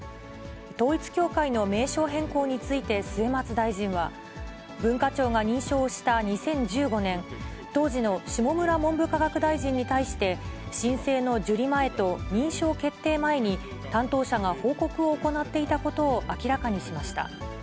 統一教会の名称変更について末松大臣は、文化庁が認証をした２０１５年、当時の下村文部科学大臣に対して、申請の受理前と認証決定前に担当者が報告を行っていたことを明らかにしました。